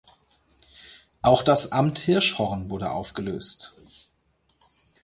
Auch das Amt Hirschhorn wurde aufgelöst.